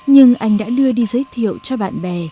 nhưng anh đã đưa đi giới thiệu cho bạn bè